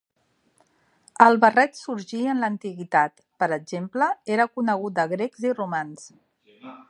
El barret sorgí en l'antiguitat; per exemple, era conegut de grecs i romans.